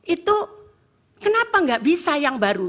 itu kenapa nggak bisa yang baru